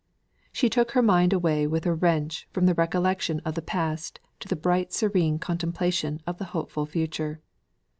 She took her mind away with a wrench from the recollection of the past to the bright serene contemplation of the hopeful future.